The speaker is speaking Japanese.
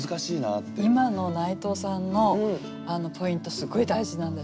今の内藤さんのポイントすごい大事なんです。